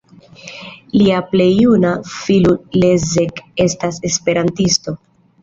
Lia plej juna filo Leszek estas esperantisto.